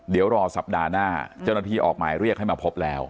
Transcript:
เดี๋ยวรอสัปดาห์หน้าเจ้าหน้าที่ออกหมายเรียกให้มาพบแล้ว